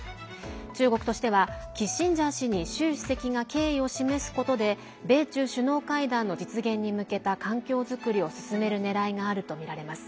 中国としてはキッシンジャー氏に習主席が敬意を示すことで米中首脳会談の実現に向けた環境づくりを進めるねらいがあるとみられます。